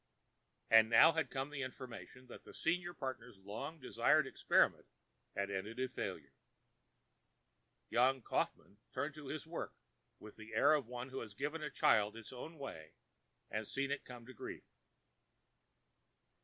And now had come the information that the senior partner's long desired experiment had ended in failure. Young Kaufmann turned to his work with the air of one who has given a child its own way and seen it come to grief.